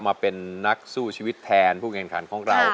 มาเป็นนักสู้ชีวิตแทนผู้แข่งขันของเรา